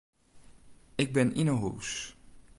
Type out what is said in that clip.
Ik bin yn 'e hûs.